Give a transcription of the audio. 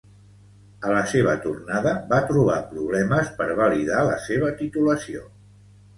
A la seva tornada va trobar problemes per validar la seva titulació.